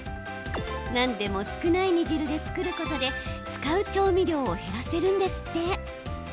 なんでも少ない煮汁で作ることで使う調味料を減らせるんですって。